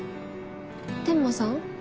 天間さん？